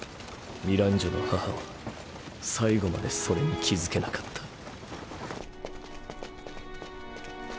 ミランジョの母は最後までそれに気付けなかった。